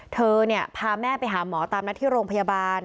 เธอพาแม่ไปหาหมอตามนัดที่โรงพยาบาล